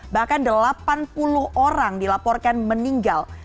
bahkan delapan puluh orang dilaporkan meninggal